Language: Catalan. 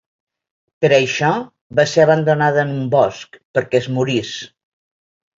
Per això, va ser abandonada en un bosc perquè es morís.